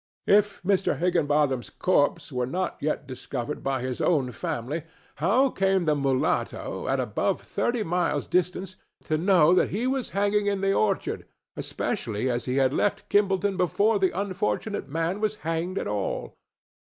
If Mr. Higginbotham's corpse were not yet discovered by his own family, how came the mulatto, at above thirty miles' distance, to know that he was hanging in the orchard, especially as he had left Kimballton before the unfortunate man was hanged at all?